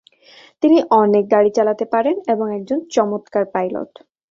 তিনি অনেক গাড়ি চালাতে পারেন এবং একজন চমৎকার পাইলট।